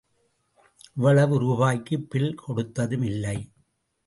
இவ்வளவு ரூபாய்க்கு பில் கொடுத்ததுமில்லை.